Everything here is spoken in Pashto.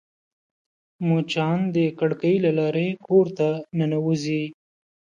مچان د کړکۍ له لارې کور ته ننوزي